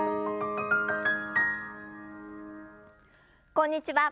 こんにちは。